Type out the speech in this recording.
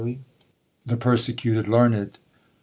THE PERSECUTED LEARNED.